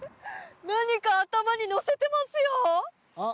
何か頭にのせてますよ！